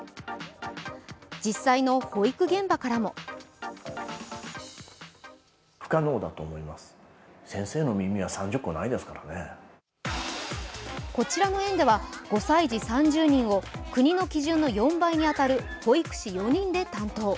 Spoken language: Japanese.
実際の保育現場からもこちらの園では５歳児３０人を国の基準の４倍に当たる保育士４人で担当。